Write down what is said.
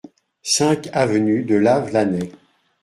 cinq avenue de Lavelanet